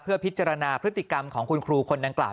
พิจารณาพฤติกรรมของคุณครูคนดังกล่าว